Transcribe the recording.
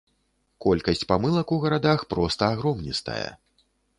Колькасць памылак у гарадах проста агромністая.